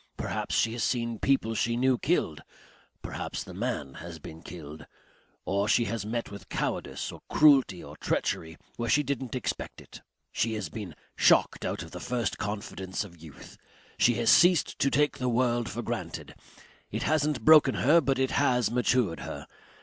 Perhaps she has seen people she knew killed. Perhaps the man has been killed. Or she has met with cowardice or cruelty or treachery where she didn't expect it. She has been shocked out of the first confidence of youth. She has ceased to take the world for granted. It hasn't broken her but it has matured her.